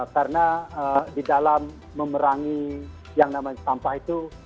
karena di dalam memerangi yang namanya sampah itu